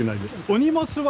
お荷物は？